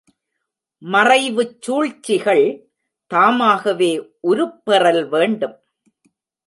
மறைவுச் சூழ்ச்சிகள், தாமாகவே உருப்பெறல் வேண்டும்.